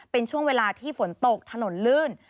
เป็นช่วงเวลาที่ฝนตกถนนลื่น